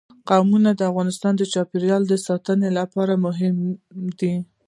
قومونه د افغانستان د چاپیریال ساتنې لپاره مهم دي.